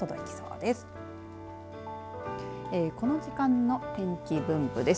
この時間の天気分布です。